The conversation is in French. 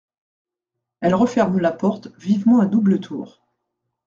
Elle referme la porte vivement à double tour.